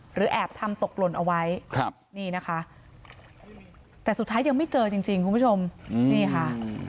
แอบทำตกหล่นเอาไว้ครับนี่นะคะแต่สุดท้ายยังไม่เจอจริงคุณผู้ชมนี่ค่ะ